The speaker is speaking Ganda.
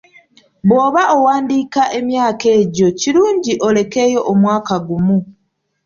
Bw’oba owandiika emyaka gyo kirungi olekeyo omwaka gumu.